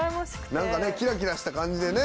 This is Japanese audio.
何かねキラキラした感じでね。